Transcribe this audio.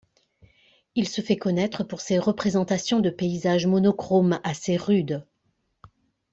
Il se fait connaître pour ses représentations de paysages monochromes assez rudes.